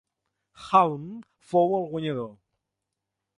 Hulme fou el guanyador.